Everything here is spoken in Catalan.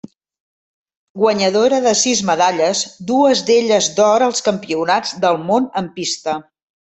Guanyadora de sis medalles, dues d'elles d'or als Campionats del Món en pista.